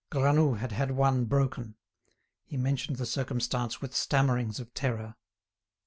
Granoux had had one broken. He mentioned the circumstance with stammerings of terror.